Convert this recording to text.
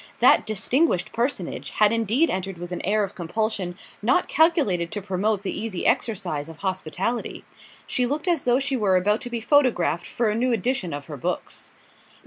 That distinguished personage had indeed entered with an air of compulsion not calculated to promote the easy exercise of hospitality. She looked as though she were about to be photographed for a new edition of her books.